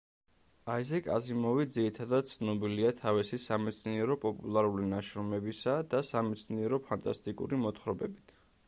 აიზეკ აზიმოვი ძირითადად ცნობილია თავისი სამეცნიერო პოპულარული ნაშრომებისა და სამეცნიერო ფანტასტიკური მოთხრობებით.